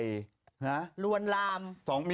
คุณคนพูดอะไรก็ไง